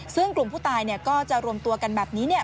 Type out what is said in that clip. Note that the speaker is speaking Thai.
ซึ่งกลุ่มผู้ตายเนี่ยก็จะรวมตัวกันแบบนี้เนี่ย